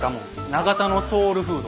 長田のソウルフード。